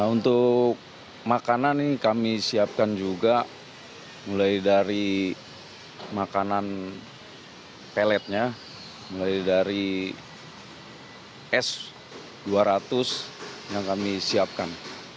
untuk makanan ini kami siapkan juga mulai dari makanan peletnya mulai dari es dua ratus yang kami siapkan